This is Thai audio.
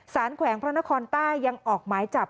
แขวงพระนครใต้ยังออกหมายจับ